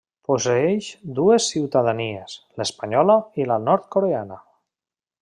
Posseeix dues ciutadanies: l'espanyola i la nord-coreana.